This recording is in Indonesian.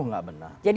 oh tidak benar